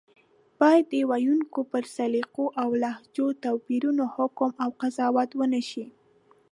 بايد د ویونکو پر سلیقو او لهجوي توپیرونو حکم او قضاوت ونشي